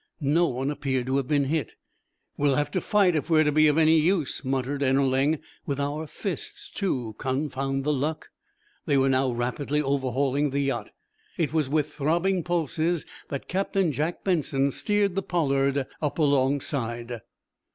No one appeared to have been hit. "We'll have to fight if we're to be of any use," muttered Ennerling. "With our fists, too, confound the luck!" They were now rapidly overhauling the yacht. It was with throbbing pulses that Captain Jack Benson steered the "Pollard" up alongside.